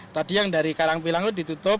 tadi yang dari karangpilang itu ditutup